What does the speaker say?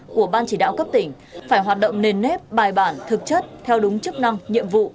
của ban chỉ đạo cấp tỉnh phải hoạt động nền nếp bài bản thực chất theo đúng chức năng nhiệm vụ